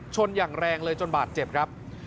อย่างแรงเลยจนบาดเจ็บครับ